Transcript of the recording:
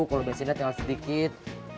kalau besinya tinggal sedikit